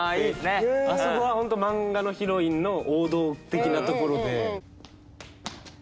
あそこはホント漫画のヒロインの王道的なところで。